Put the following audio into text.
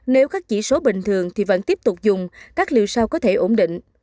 nếu các chỉ số bình thường thì vẫn tiếp tục dùng các liều sau có thể ổn định